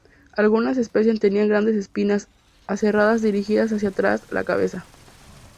Algunas especies tenían grandes espinas aserradas dirigidas hacia atrás tras la cabeza.